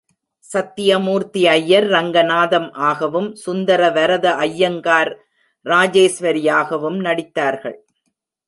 சத்யமூர்த்தி ஐயர் ரங்கநாதம் ஆகவும், சுந்தரவரத ஐயங்கார் ராஜேஸ்வரியாகவும் நடித்தார்கள்.